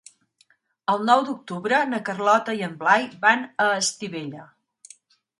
El nou d'octubre na Carlota i en Blai van a Estivella.